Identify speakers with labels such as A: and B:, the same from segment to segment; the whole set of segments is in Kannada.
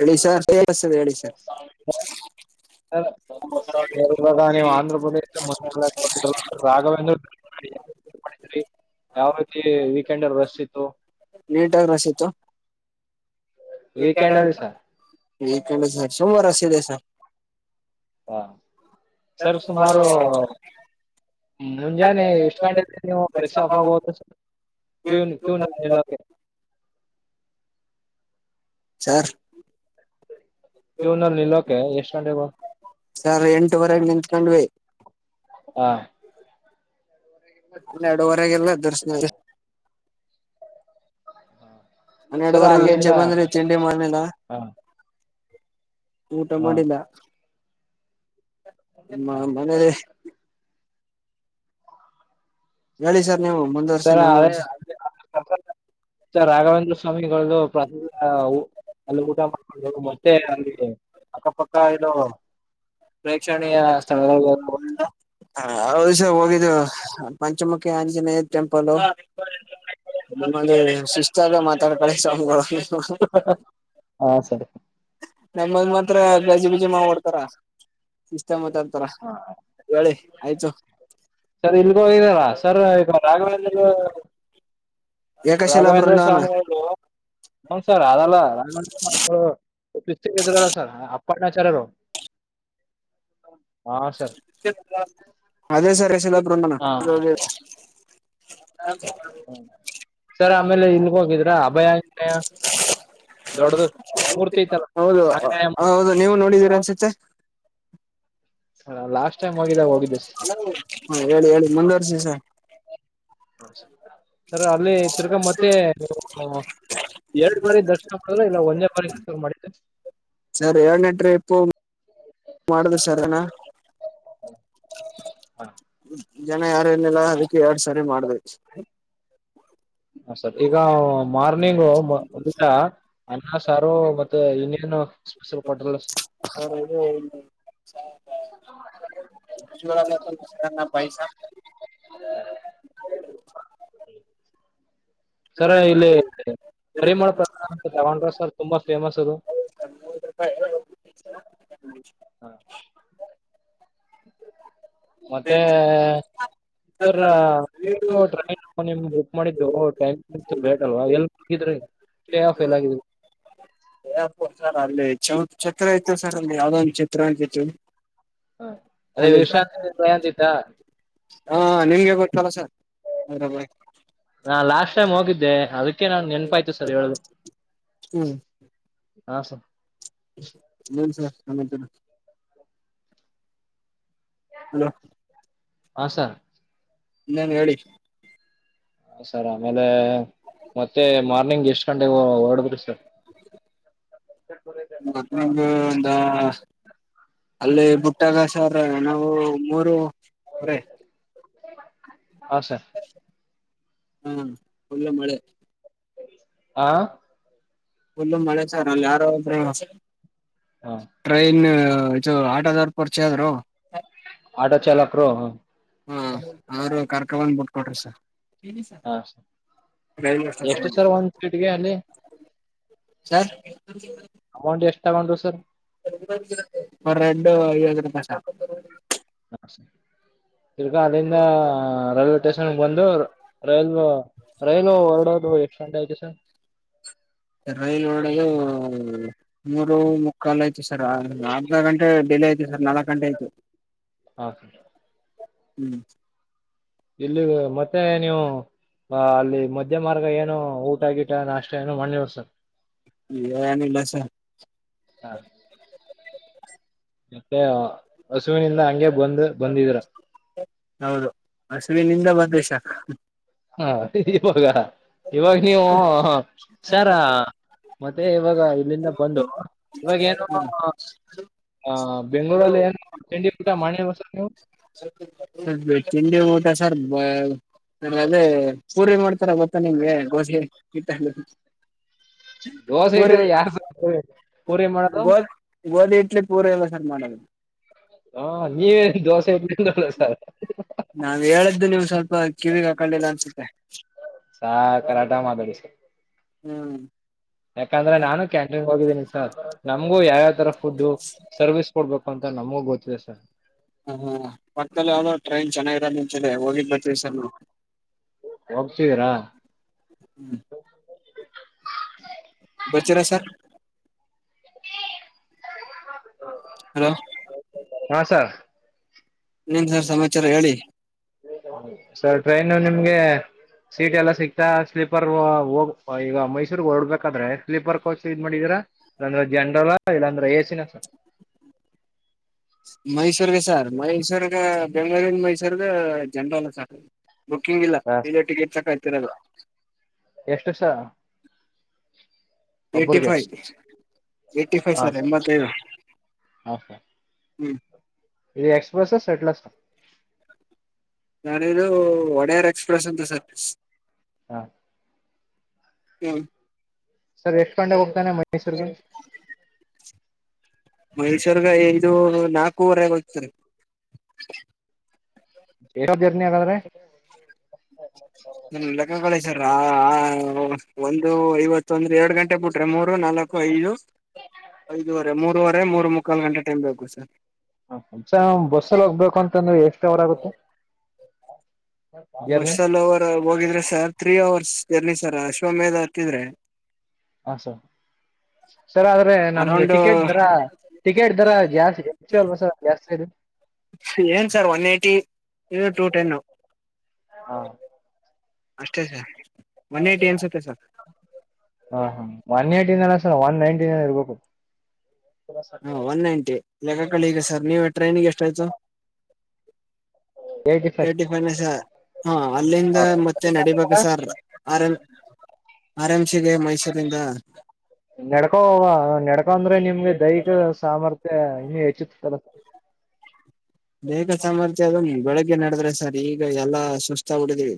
A: ಹೇಳಿ ಸರ್ ಹೇಳಿ ಸರ್
B: ಾಗ ನೀ್ ಆಂಧ್ರ ಪ್ರದೇಶ ರಾವೇಂದ್ರಿದಿ ಯಾವ ರೀತಿ ವೀಕೆಂಡ್ ರಸ್ ಇತ್ತು
A: ನೀಟಾಗಿ ರಸಿತ್ತು
B: ವೀಕೆಂಡಲ್ಲಿ ಸ
A: ಈ ಕ ಸ ಸೋಮವಾರಷ್ಟಿದೆಸ
B: ಹಾ ಸರ್ ಸುಮಾರು ್ಮ ಮುಂಜಾನೆ ಎಷ್ಟು ಗಂಟೆ ನೀವು ಫ್ರೆಶ್ ಆಫ್ ಆಗೋದ ಕ ಕಲ್ಲ
A: ಸರ್
B: ಕ್ಯೂನಲ್ಲಿ ನಿಲ್ಲೋಕೆ ಎಷ್ಟು ಗಂಟೆಗೆ
A: ಸರ್ ಎಂಟುವರೆಗೆ ನಿಂತ್ಕೊಂಡ್ವಿ
B: ಹಾ
A: ಅನ್ನೆಎರಡವರೆಗೆಲ್ಲ ದರ್ಶನ
B: ಸರ್
A: ಹನ್ನೆರಡವರೆಗೆಚೆ
B: ಅಲ್ಲಿಂದ
A: ಬಂದ್ರಿ ತಿಂಡಿ ಮನೇದ
B: ಹಾ
A: ಊಟ
B: ಹಾ
A: ಮಾಡಿಲ್ಲ ಮನೆ ಹೇಳಿ ಸರ್ ನೀವು ಮುಂದುವಸ
B: ಸರ್ ಅದೇ ಸರ್ ರಾಘವೇಂದ್ರ ಸ್ವಾಮಿಗಳದ್ದು ಪ್ರಸಾದ ಊ- ಅಲ್ಲಿ ಊಟ ಮಾಡ್ಕೊಂಡು ಮತ್ತೆ ಅಲ್ಲಿ
A: ಅಕ್ಕಪಕ್ಕ ಇದು ಪ್ರೇಕ್ಷಣೀಯ ಸ್
B: ಸ್ಥಳಗಳ
A: [inaudible] ಹಷ ಹೋಗಿದ್ದ ಪಂಚಮುಖಿ ಆಂಜನೇಯ ಟೆಂಪಲ್ ನಮ್ಮಲ್ಲಿ ಶಿಸ್ತಾಗ ಮಾತಾಡ್ ಕಳ ಸ್ವಾಮಿ
B: ಹಾ ಸರಿ
A: ನಮಂದ ಮಾತ್ರ ಗಜ್ಜಿ ಬುಜಿ ಮಾವ ಮಾಡಡ್ತಾರ ಇಷ್ಟ ಮಾತಾಡ್ತಾರ ಹೇಳಿ ಆಯ್ತು
B: ಹೋಗಾರ ಸರ್ ಈಗ ರಾಘವ
A: ಏಕಶಿಲಾ
B: ರಾಘವೇಂದ್ರ
A: ಬೃಂದಾವನ
B: ಸ್ವಾಮಿ ಅವನ್ ಸರ್ ಅದಲ್ಲ ರಾಘವೇಂದ್ರ ಸ್ವಾಮಿ ಪ್ರ ಸರ್ ಪಟ್ನ ಶರ್ರು
A: ಅದೇ ಸರ್ ಹೆಲಾದಣ
B: ಹಾ
A: [unintelligible]
B: ಸರ್ ಆಮೇಲೆ ಇಲ್ಗ ಹೋಗಿದ್ರ ಅಭಯ ಆಂಜನೇಯ ದೊಡ್ಡದು ಮೂರ್ತಿ ಐತಲ್ಲ
A: ಹೌದು
B: ಆಂಜನೇಯ ಮೂರ್ತಿ
A: ಹೌದು ನೀವು ನೋಡಿದೀರಿ ಅನ್ಸುತ್ತೆ
B: ಲಾಸ್ಟ್ ಟೈಮ್ ಹೋಗಿದಾಗ ಹೋಗಿದ್ದೆ
A: ಹ ಹೇಳಿ ಹೇಳಿ ಮುಂದುವರ್ಸ ಸ
B: ಹ ಸರ್ ಅಲ್ಲಿ ತಿರ್ಗಾ ಮತ್ತೆ ಎರಡು ಬಾರಿ ದರ್ಶನ ಮಾಡಿದ್ರ ಇಲ್ಲ ಒಂದೇ ಬಾರಿ ದರ್ ಮಾಡ.
A: ಸರಿ ಹಏಳ್ನಟರಿ ಇಪ್ಪು ಮಾಡುದು ಸರಿನಾ
B: ಹಾ
A: ಜನ ಯಾರೇನಿಲ್ಲ ಅದಕ್ಕೆ ಎರಡ್ ಸಾರಿ ಮಾಡ್ದ
B: ಹ ಸರ್ ಈಗ ಮಾರ್ನಿಂಗ್ ಒಟ ಅನ್ನ ಸಾರು ಮತ್ತೆ ಇನ್ನೇನು ಸ್ಪೆಷಲ್ ಹಟೆಲ್
A: ಉಜ ಸರ ಪೈಸ
B: ಸರ್ ಇಲ್ಲಿ ಪರಿಮಳ ಪ್ರಕಾರ ಅಂತ ತಗೊಂಡ್ರ ಸರ್ ತುಂಬಾ ಫೇಮಸ್
A: ಹ
B: ಅದು
A: [unintelligible]
B: ಹ ಮತ್ತೆರ ನಿಮ ಮಾಡಿದ್ದಟ್ಲ್ ಎ್ರ ಸ್ಟೇ ಆಫ್ ಎಲ್ಲ [inaudible]
A: ಪಷಾರ ಆಗ್ಲಿ ಚೌ ಚಛತ್ರ ಇತ್ತು ಸರ್ ಒಂದ ಯಾವ್ದ ಒಂದು್ ಚಛತ್ರ ಆಗಿತ್ತು
B: ಹ ಅದೇ ವಿಷಾಂತಯ ಚಾರ್
A: ಹಾ ನಿಮ್ಗೆ ಗೊತ್ತಲ್ಲ ಸರ್ ಅದ್ರ
B: ನಾನ್ ಲಾಸ್ಟ್ ಟೈಮ್ ಹೋಗಿದ್ದೆ ಅದಕ್ಕೆ ನಾನ್ ನೆನಪಾಯ್ತು ಸರ್ ಹೇಳುದು
A: ಹ್ಮ್
B: ಹಾ ಸರ್
A: ಏನ್ ಸರ್ ಹಂತ ಹಲೋ
B: ಹಾ ಸರ್
A: ನ್ನೇನ್ ಹೇಳಿ
B: ಹ ಸರ್ ಆಮೇಲೆ ಮತ್ತೆ ಮಾರ್ನಿಂಗ್ ಎಷ್ಟ್ ಗಂಟೆಗೆ ಹೊಓಡದ್ರಿ ಸರ್
A: ನಿಂಗ ಒ ಅಲ್ಲಿ ಬುಟ್ಟಗ ಸರ ನಾವು ಮೂರು ಅ
B: ಹ ಸರ್
A: ಹಾ ಒಳ್ಳೆ ಮಳೆ
B: ಆ
A: ುಲ್ಲು ಮಳೆ ಸಾರ ಯಾರು್ರೆ
B: ಹಾ
A: ಟ್ರೈನ್ ದು ಆಟದಾರ್ ಪರಿಚೆ ಆದ್ರು
B: ಆಟೋ ಚಾಲಕರು
A: ಹಾ ಅವರು ಕರ್ಕ ಬಂದ ಬಿಟ್ಕ ಕೊಟ್ರಿ ಸರ್
B: ಹಾ ಸ
A: ರೈಲ್ವೆ
B: ಎಷ್ಟು
A: ಸ್ಟೇಷನ್
B: ಸರ್ ಒಂದ್ ಸೀಟ್ಗೆ ಅಲ್ಲಿ
A: ಸರ್
B: ಅಮೌಂಟ್ ಎಷ್ಟು ತಗೊಂಡರು ಸರ್
A: ರೆಡು ಐ ರೂಪಾಯ ಶಪ
B: ಹರ್ಗ ಅಲ್ಲಿಂದ ರೈಲ್ವೆ ಸ್ಟೇಷನ್ ಬಂದು ರೈಲ್ ರೈಲು ಹೊರ್ಡದು ಎಕ್ಸ್ಟ್ರಂಡ ಆ ಸರ್
A: ಹ್ಮ್ ಮೂರು ಮುಕ್ಕಾಲು ಯ್ು ಸರ್ ಅರ್ಧ ಗಂಟೆ ಡಿಲ ಆಐ್ತ ಸರ್ ನಾಲ್ಕು ಗಂಟೆ ಆಯ್ತು
B: ಹಾಂ ಸರ್
A: ಹ್ಮ್
B: ಇಲ್ಲಿ ಮತ್ತೆ ನೀವು ಅಲ್ಲಿ ಮಧ್ಯ ಮಾರ್ಗ ಏನುೋ ಊಟ ಆಗಿಟ್ಟ ನ ಅಷ್ಟ ಏನುೋ ಮಾಡಣ್ಣವಸರ್
A: ಈ ಏನ ಇಲ್ಲಸ
B: ಹಾ ಮತ್ತೆ ಹಸುವಿನಿಂದ ಹಂಗೆ ಬಂದು್ ಬಂದಿದ್ರ
A: ಹೌದು ಹಸುವಿನಿಂದ ಬದ ಶಕ
B: ಹಾವಾಗ ಇವಾಗ ನೀವು ಸರ ಮತ್ತೆ ಹಾಗ ಇಲ್ಲಿಂದ ಬಂದು ಇವಾಗ ಏನು ಹ ಬೆಂಗಗಳೂರಲ್ಲಿ ಏನು ಚಂಡಿ ಪುಟ ಮಾಡಿವಸ ನೀವು
A: ಹು ನಿಗೆ ಪ್ರಸರ್ ಹ ಅದೇ ಪೂರಿ ಮಾಡ್ತಾರ ಗೊತ್ತಾ ನಿಮ್ಗೆ ಗೋಸೆ ಇತ
B: ದೋಸೆ ಇಟ್ಟ ಯಾರ ಪೂರಿ ಮಾಡದು
A: ಪೂರ ಎಲ್ಲ ಸರ್ ಮಾಡದು
B: ಹಾ ನೀವೇನ್ ದೋಸೆ ಇಟ್ಲ್ಲ ಸರ್
A: ನಾವ್ ಹೇಳ್ದು ನೀವು್ ಸ್ವಲ್ಪ ಕಿವಿ ಹಾಕೊಂಡಿಲ್ಲ ಅನ್ಸುತ್ತೆ
B: ಸಾರ್ ಕರಾಟ ಮಾತಾಡಿ ಸರ್
A: ಹ್ಮ್
B: ಯಾಕಂದ್ರೆ ನಾನು ಕ್ಯಾಂಟನ್ ಹೋಗಿದ್ದೀನಿ ಸ ನಮ್ಗೂ ಯಾವ ಯಾವ ತರ ಫುಡ್ ಸರ್ವಿಸ್ ಕೊಡ್ಬೇಕು ಅಂತ ನಮಗ ಗೊತ್ತಿದೆ ಸರ್
A: ಹ್ಮ ಹ್ಮ ಪಕ್ಕದಲ್ಲಿ ಯದೋ ಟ್ರೈನ್ ಚೆನ್ನಾಗಿರೋ ಮುಂಚೆ ಹೋಗಿದ್ ಬಟ್ಟು ಸಷನ್
B: ಗರಾ ಹೌ
A: ಬಚೆರ ಸರ್
B: ಹ
A: ಹಲೋ
B: ಆ
A: ನೀನ್ ಸರ್ ಸಮಾಚಾರ ಹೇಳಿ
B: ಸರ್ ಟ್ರೈನು ನಿಮ್ಗೆ ಸೀಟ್ ಎಲ್ಲಾ ಸಿಕ್ತಾ ಸ್ಲೀಪರ್ ಹೋ ಹೋಗು ಈಗ ಮೈಸೂರಿಗ್ ಹೊರ್ಡ್ಬೇಕಾದ್ರೆ ಸ್ಲೀಪರ್ ಕೋಚ್ ಇದ್ ಮಾಡಿದೀರಾ ಇಲ್ಲಾಂದ್ರೆ ಜನರಲ್ಲಾ ಇಲ್ಲಾಂದ್ರೆ ಎ ಸಿ ನಾ ಸರ್
A: ಮೈಸೂರ್ಗೆ ಸಾರ್ ಮೈಸೂರಿಗೆ ಬೆಂಗ್ಳೂರಿಂದ್ ಮೈಸೂರ್ಗ ಜನರಲ್ಲು ಸರ್ ಬುಕಿಂಗ್ ಇಲ್ಲ
B: ಹಾ
A: ಇಲ್ಲೇ ಟಿಕೆಟ್ ಚಕ್ ಆಗ್ತಿರಲ್ಲ
B: ಎಷ್ಟ್ ವರ್ಷ
A: eighty five eighty five sir ಎಂಬತ್ತೈದು ಹ್ಮ್
B: ಎಕ್ಸ್ಪ್ರೆಸ್ಸಾ
A: [unintelligible] ಒಡೆಯರ ಎಕ್ಸ್ಪ್ರೆಸಂತೆ ಸರ್ವೀಸ್.
B: ಹ
A: ಇ
B: ಸರ್ ಎಷ್ಟ್ ಗಂಟೆಗ್ ಹೋಗ್ತಾನೆ ಮೈಸೂರ್ಗೆ.
A: ಮೈಸೂರ್ಗ ಐದು ನಾಕೂವರೆ ಗೊಯ್ತಿರಿ.
B: ಏಟೋತ್ ಜರ್ನಿ ಹಾಗಾರೆ.
A: ನಿಮ್ [unintelligible] ಒಂದೂ ಐವತ್ತು ಅಂದ್ರೆ, ಎರಡು ಗಂಟೆ ಬಿಟ್ರೆ ಮೂರು ನಾಲಕ್ಕು ಐದು, ಐದೂವರೆ ಮೂರೂವರೆ ಮೂರು ಮುಕ್ ಮುಕ್ಕಾಲ್ ಗಂಟೆ ಟೈಮ್ ಬೇಕು ಸರ್.
B: ಸಾ ಬಸ್ಸಲ್ಲಿ ಹೋಗ್ಬೇಕು ಅಂತಂದ್ರೆ ಎಷ್ಟ್ ಹವರ್ ಆಗುತ್ತೆ. [inaudible] ಜರ್ನಿ
A: ಬಸ್ಸಲ್ ಅವರ ಹೋಗಿದ್ರೆ ಸರ್ ತ್ರೀ ಅವರ್ಸ್ ಎಲ್ಲಿ ಸರ ಅಶ್ವಮೇದ ಹತ್ತುದ್ರೆ
B: ಹಾ ಸರ್ ಸರ್ ಆದ್ರೆ ನಮ್ಗೆ
A: ಅರೌಂಡ್
B: ಟಿಕೆಟ್ ದರ ಟಿಕೆಟ್ ದರ ಜಾಸ್ತಿ ಅಲ್ವಾ ಸ ಜಾಸ್ತಿ
A: ಏನ್ ಸರ್ ಒನ್ ಏಟಿ ಇದು ಟೂ ಟೆನ್
B: ಹಾ
A: ಅಷ್ಟೇ ಸ ಒನ್ ಏಯ್ಟಿ ಅನ್ಸುತ್ತೆ ಸರ್.
B: ಹಾ ಹಾ ಒನ್ ಏಟ್ ಟಿ [unintelligible] ಒನ್ ನೈಂಟಿನೆನೋ ಇರ್ಬೇಕು. [inaudible]
A: ಹ ಒನ್ [unintelligible] ಈಗ ಸರ್ ನೀವು ಟ್ರೈನಿಗೆ ಎಷ್ಟು ಆಯ್ತು?
B: ಏಯ್ಟಿ
A: [inaudible] ಏ
B: ಫೈವ್
A: ಟಿಫಿನು ಸಾ ಹಾ ಅಲ್ಲಿಂದ ಮತ್ತೆ ನಡಿಬೇಕು ಸರ್ ಆರ ಲ್ ಆರಾಮ್ಸಿಗೆ ಮೈಸೂರಿಂದ
B: ನಡ್ಕೋವ ನಡ್ಕೊಂದ್ರೆ ನಿಮ್ಗೆ ದೈಹಿಕ ಸಾಮರ್ಥ್ಯ ಇನ್ನು ಹೆಚ್ಚುತ್ತದೆ.
A: ಬೇಗ ಸಾಮರ್ಥ್ಯ ಅದು ಬೆಳಿಗ್ಗೆ ನಡುದ್ರೆ ಸರ್ ಈಗ ಎಲ್ಲಾ ಸುಸ್ತಾಗ್ ಬಿಡ್ತೀವಿ.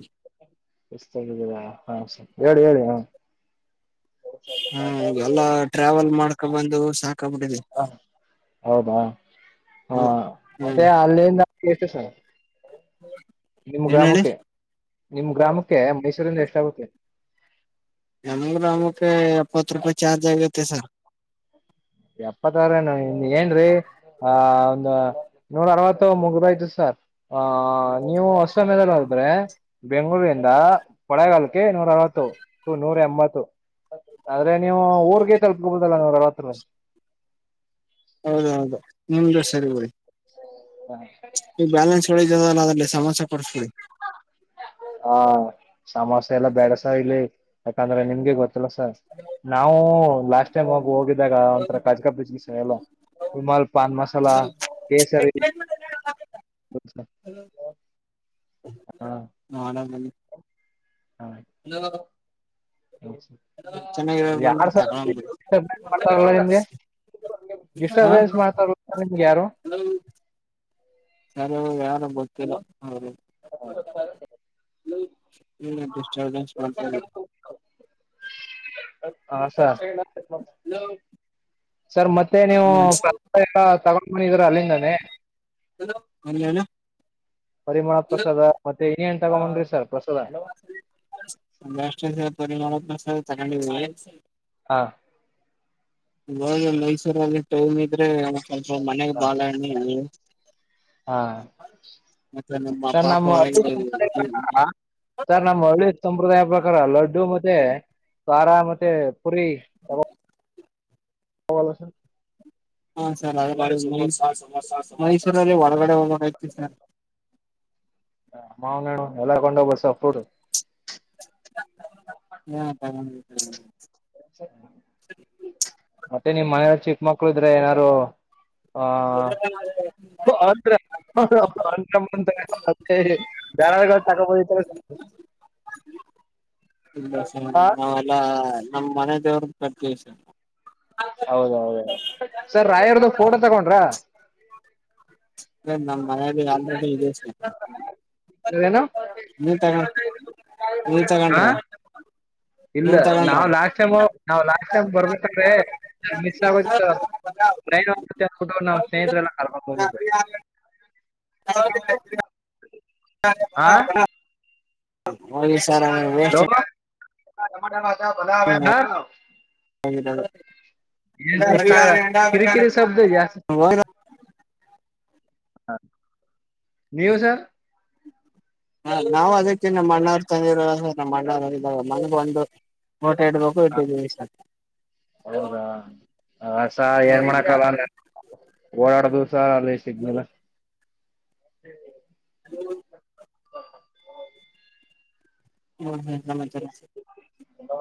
B: ಸ್ತಿದ್ದರಾ ಹಾ ಹೇಳಿ ಹೇಳಿ ಹ
A: ಹ್ಮ ಎಲ್ಲ ಟ್ರಾವೆಲ್ ಮಾಡ್ ಬಂದು ಸಾಕಾಗ್ಬಿಟ್ಟಿದೆ
B: ಹ ಹೌದಾ ಹಾ
A: ಹ್ಮ್
B: ಮತ್ತೆ ಅಲ್ಲಿಂದ ಕೆಸ ಸರ ನಿಮ್ಮ
A: ಏನ್ ಹೇಳಿ
B: ಗ್ರಾಮಕ್ಕೆ, ನಿಮ್ಮ್ ಗ್ರಾಮಕ್ಕೆ ಮೈಸೂರಿಂದ ಎಷ್ಟು ಾಗಕ್ಕೆ
A: ಯಮಂಗ್ರ ಅಮಕ್ಕೆ ಎಪ್ಪತ್ತು ರೂಪಾಯಿ ಚಾರ್ಜ್ ಆಗತ್ತೆ ಸರ್
B: ಎಪ್ಪತ್ತಾರನು ಏನ್ೀ ಆ ಹ ನೂರ ಅರವತ್ತು ಮುಗರು ಆಯ್ತು ಸರ್ ಹ ಹ ನೀವು ಅಷ್ಟಮ್ಯದಲ್ಲಿ ಹೋದ್ರೆ ಬೆಂಗಗಳೂರಿಂದ ಕೊಳೆಗಾಲಕ್ಕೆ ನೂರ ಅರವತ್ತು ನೂರ ಎಂಬತ್ತು ಆದ್ರೆ ನೀವು ಊರ್ಗೆ ತಲ್ಪಬುದಲ್ಲ ನೂರ ಅರವತ್ತು ರ
A: ಹೌದ ಹೌದು ಮುಮ್ದೆ ಸರಿ ಬಿ
B: ಹ್ಮ
A: ಈ ಬ್ಯಾಲೆನ್ಸ್ ಹೊ ದಲ್ಲಿ ಸಮಸ್ಯೆ ಪಡಿಸಕೊಳ್ಳಿ
B: ಹಾ ಸಮೋಸೆ ಎಲ್ಲಾ ಬೆಡಸ ಇಲ್ಲಿ ಯಾಕಂದ್ರೆ ನಿಮಗೆ ಗೊತ್ತ ಸ ನಾವು ಲಾಸ್ಟ್ ಟೈಮ್ ಹಿ ಹೋಗಿದಾಗ ಒಂಥರ ಕಜಗಾ ಬಜ ಎಲ್ಲ ಹಮಲ್ ಪಾನ್ ಮಸಾಲ ಕೇಸರಿ ಹ
A: ಮ ಅಲೋ
B: ಯ
A: ತಗೊಂಡ್ ಬಿಡಿ
B: ನಿಮಗೆ
A: ಹಾ
B: ಡಿಸರ್ಬನ್ಸ್ ಮಾಡ್ತ ನಿಮಗೆ ಯಾರು
A: ಸರಿಾಗ ಯಾರು ಗೊತ್ತಿಲ್ಲ ಹ್ಮ್ಮ ಡಿಸ್ಟರ್ಬನ್ಸ್ ಮಾಡ್ತ
B: ಹಾ ಸ ಸರ್ ಮತ್ತೆ ಮತ್ತೆ
A: ಹ್ಮ್.
B: ನೀವುಗ ಇದರ ಅಲ್ಲಿಂದಾನೇ
A: ಎಲ್ಲೇನು
B: ಪರಿಮಳ ಪ್ರಸಾದ ಮತ್ತೆ ನೇನ್ ತಗೊಂಡೊಂಡ್ರಿ ಸರ್ ಪ್ರಸಾದ
A: ಷ್ಟತ ಹೌ
B: ಹಾ
A: ಇವಾಗ ಮೈಸೂರಲ್ಲಿ ಟೈಮ್ ಇದ್ರೆ ಸ್ವಲ್ಪ ಮನೆಗ್
B: ಹಾ
A: ಬಾಲಹಣ್ಣಿ
B: ಹಾ
A: ಮತ್ತೆ
B: ಸರ್
A: ಪಾಪ
B: ನಮ್ಮ
A: ಹೊರಗೆ
B: ಸರ್ ನಮ್ಮ್ ಸಂಪ್ರದಾಯ ಪ್ರಕಾರ ಲಡ್ಡು ಮತ್ತೆ ದ್ವಾರಾ ಮತ್ತೆ ಪರಿೀ ತ ಹಲಸ
A: ಹಾ ಸರ್ ಮೈಸೂರಲ್ಲಿ ಒಳಗಡೆ ಹೋಗೋತಿ ಸರ್
B: ಅಮ್ಮನ್ಣ ಎಲ್ಲ ಕೊಂಡೋಗ್ಬಸಫೂಡ್
A: ಹ್ಮ ಹ್ಮ
B: ಮತ್ತೆನ ಮಾಯ ಚ ಮಕ್ಳು ಇದ್ರೆ ಏನಾರು ಹಾತ್ತ ತಕ ಬ
A: ನಾವೆಲ್ಲಾ ನಮ್ಮ್ ಮನೆ ದೇವ್ರ ಕಟ್ಟಲ ಸ
B: ಹೌದೌದು ಸರ್ ರಾಯರ್ದು ಫೋಟೋ ತಗೊಂಡ್ರ
A: ಹ್ಮ ನ ಅ್ದೇಶ
B: ಅೇನು
A: ನೀ ತಗೊಂಡ ನೀ
B: ಹಾ
A: ತಗೊಂಡ್ರಿ
B: ಇಲ್ಲ ನಾ್ ಲಾಸ್ಟ್ ಟೈಮ್ ನವು ಲಾ ್ ಬರ್ಬೇಕ್ರೆ ಮ ಆ ನೈ ನಾವ್ ಸ್ನೇಹಿತರೆ ಎಲ್ಲ ಕರ್ ಹೋಗಿದ
A: ಹ ಬಣಾಮ ಪ್ರಣಾಮ ಹೋಗಿ ಸರ್ ವೇಸ್
B: ಆರ ಮಾಡ ಭಲ ಬ
A: ಹರಿಯಾಣೆ
B: ಕಿರಿಕಿರಿ ಶಬ್ದ
A: ಅ ಹ
B: ಹ ನೀವು ಸರ್
A: ಹ ನಾವ್ ಅದಕ್ಕನ್ನ ಮಣ್ಣವ್ ತಂದಿರ ಮ ಇದಾಗ ಮನಗ ಒಂದು ಫೋಟೋ ಇಡ್ಬೇಕು
B: ಹ
A: ಇಟ್ಟಿದೀವಿ ಸರ್
B: ಹೌದಾಸ
A: ಹಾ
B: ಏನ್
A: ನಮ್ಮ
B: ಮಾಡಕಲ್ಲಂದ್ರ ಓಡಾಡೋದುಸ ಅ ಸಿಗ್ನಲ್ಲ
A: ಹ್ಮ ಹ್ಮ್ ಹ್ಮ್ ನ
B: ಹ